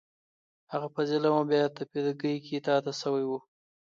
هغه په ظلم او بې عاطفګۍ کې تا ته شوی و.